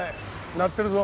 鳴ってるぞ。